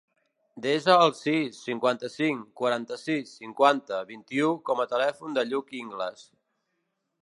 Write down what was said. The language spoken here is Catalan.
Desa el sis, cinquanta-cinc, quaranta-sis, cinquanta, vint-i-u com a telèfon del Lluc Ingles.